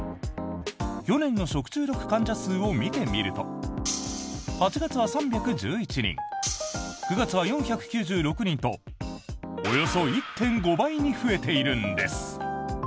去年の食中毒患者数を見てみると８月は３１１人９月は４９６人とおよそ１．５倍に増えているんです。